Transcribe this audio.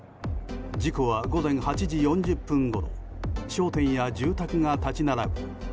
事故は午前８時４０分ごろ商店や住宅が立ち並ぶ